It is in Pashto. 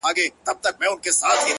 مينه مني ميني څه انكار نه كوي ـ